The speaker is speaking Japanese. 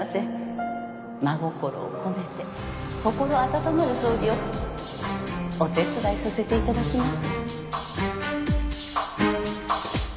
真心を込めて心温まる葬儀をお手伝いさせていただきます。